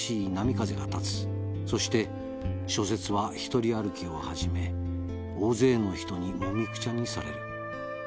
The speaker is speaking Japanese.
「そして小説は一人歩きを始め大勢の人にもみくちゃにされる」